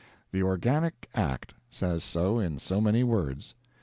The Organic Act says so in so many words.